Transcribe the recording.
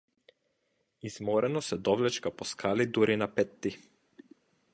Изморено се довлечка по скали дури на петти.